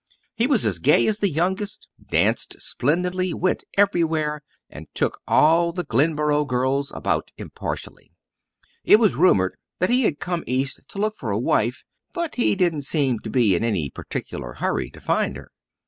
He was as gay as the youngest, danced splendidly, went everywhere, and took all the Glenboro girls about impartially. It was rumoured that he had come east to look for a wife but he didn't seem to be in any particular hurry to find her.